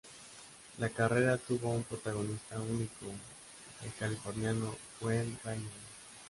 La carrera tuvo un protagonista único: el californiano Wayne Rainey.